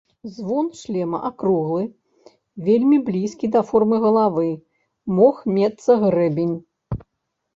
Звон шлема акруглы, вельмі блізкі да формы галавы, мог мецца грэбень.